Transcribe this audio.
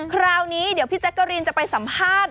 คราวนี้เดี๋ยวพี่แจ๊กกะรีนจะไปสัมภาษณ์